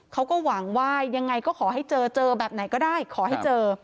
เขาก็หวังว่ายังไงก็ขอให้เจอเจอแบบไหนก็ได้ขอให้เจอ